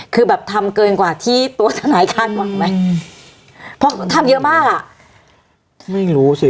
คือแบบทำเกินกว่าที่ตัวทนายคาดหวังไหมเพราะทำเยอะมากอ่ะไม่รู้สิ